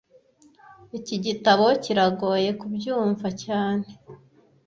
Iki gitabo kiragoye kubyumva cyane